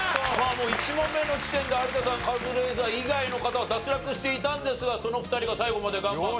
もう１問目の時点で有田さんカズレーザー以外の方は脱落していたんですがその２人が最後まで頑張って。